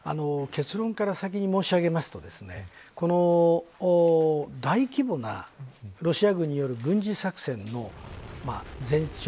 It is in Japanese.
結論から先に申し上げますと大規模なロシア軍による軍事作戦の前兆。